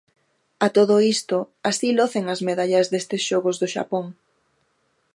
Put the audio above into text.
A todo isto, así locen as medallas destes xogos do Xapón.